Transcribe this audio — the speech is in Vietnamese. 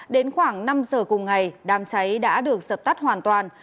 đến khoảng năm giờ cùng ngày đám cháy đã được dập tắt hoàn toàn